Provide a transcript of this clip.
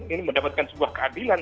ini mendapatkan sebuah keadilan